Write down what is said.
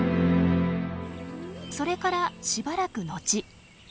それからしばらく後。